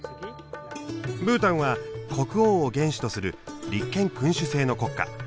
ブータンは国王を元首とする立憲君主制の国家。